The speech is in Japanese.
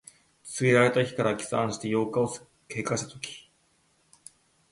告げられた日から起算して八日を経過したとき。